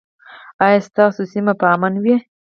ایا ستاسو سیمه به امن وي؟